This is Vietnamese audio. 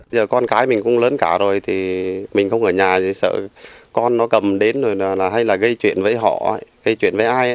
giờ con cái mình cũng lớn cả rồi thì mình không ở nhà gì sợ con nó cầm đến rồi hay là gây chuyện với họ gây chuyện với ai